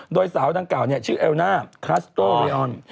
โดยสาวตั้งเก่าชื่อเอลน่าคาสโตเรอล